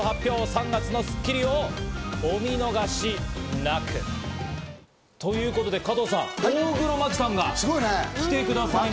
３月の『スッキリ』をお見逃しなく！ということで加藤さん、大黒摩季さんが来てくださいます。